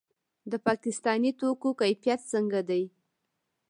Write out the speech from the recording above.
د پاکستاني توکو کیفیت څنګه دی؟